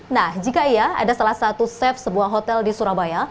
nah jika iya ada salah satu chef sebuah hotel di surabaya